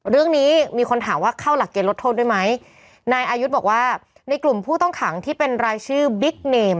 เรื่องนี้มีคนถามว่าเข้าหลักเกณฑ์ลดโทษด้วยไหมนายอายุบอกว่าในกลุ่มผู้ต้องขังที่เป็นรายชื่อบิ๊กเนม